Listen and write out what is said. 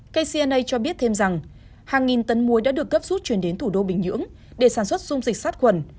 kcna cho biết thêm rằng hàng nghìn tấn muối đã được cấp rút chuyển đến thủ đô bình nhưỡng để sản xuất dung dịch sát khuẩn